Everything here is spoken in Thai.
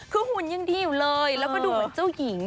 คือหุ่นยังดีอยู่เลยแล้วก็ดูเหมือนเจ้าหญิง